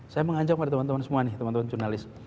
saya mengajak pada teman teman semua nih teman teman jurnalis